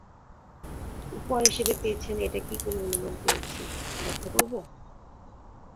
উপহার হিসেবে পেয়েছেন এটা কী করে অনুমান করেছি, ব্যাখ্যা করব?